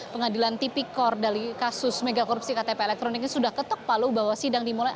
pengadilan tipikor dari kasus megakorupsi ktp elektronik ini sudah ketuk palu bahwa sidang dimulai